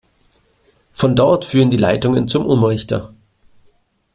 Von dort führen die Leitungen zum Umrichter.